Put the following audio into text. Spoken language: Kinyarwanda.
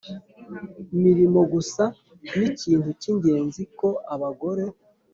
mirimo gusa ni ikintu cy ingenzi ko abagore